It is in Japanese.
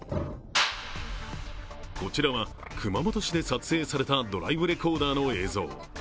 こちらは、熊本市で撮影されたドライブレコーダーの映像。